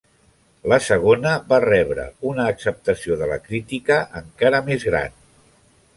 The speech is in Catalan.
La segona va rebre una acceptació de la crítica encara més gran.